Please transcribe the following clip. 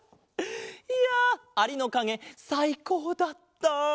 いやアリのかげさいこうだった！